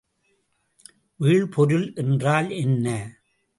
வீழ்பொருள் என்றால் என்ன?